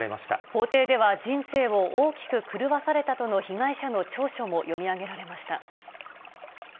法廷では、人生を大きく狂わされたとの被害者の調書も読み上げられました。